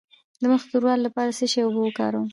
د مخ د توروالي لپاره د څه شي اوبه وکاروم؟